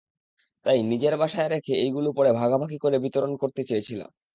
তাই নিজের বাসায় রেখে এইগুলি পরে ভাগাভাগি করে বিতরণ করতে চেয়েছিলাম।